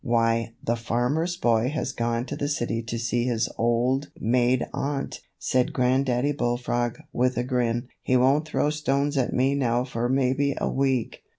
"Why, the Farmer's Boy has gone to the city to see his old maid aunt," said Granddaddy Bullfrog with a grin. "He won't throw stones at me now for maybe a week."